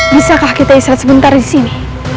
bisakah kita istirahat sebentar disini